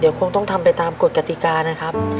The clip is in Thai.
เดี๋ยวคงต้องทำไปตามกฎกติกานะครับ